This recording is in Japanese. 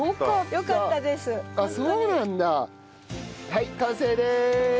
はい完成です！